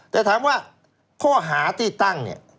แต่ถามว่าข้อหาที่ตั้งเนี่ย